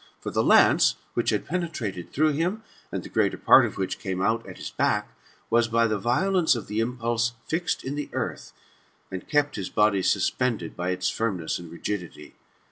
For the lance, which had penetrated through him, and the greater part of which came out at his back, was, by the violence of the impulse, fixed in the earth, and kept his body suspended by its firmness and rigidity.